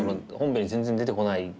本編に全然出てこない